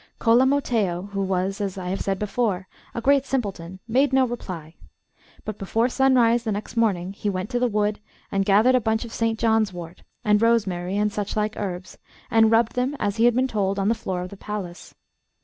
Cola Mattheo, who was, as I have said before, a great simpleton, made no reply; but before sunrise next morning he went to the wood and gathered a bunch of St. John's Wort, and rosemary, and suchlike herbs, and rubbed them, as he had been told, on the floor of the palace.